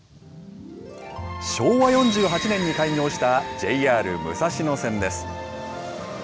昭和４８年に開業したＪＲ武蔵野線です。